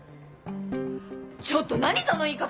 ちょっと何その言い方！